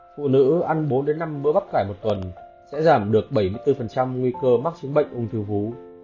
phụ nữ ăn bốn năm bữa bắp khải một tuần sẽ giảm được bảy mươi bốn nguy cơ mắc chứng bệnh ung thư vú